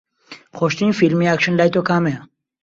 خۆشترین فیلمی ئاکشن لای تۆ کامەیە؟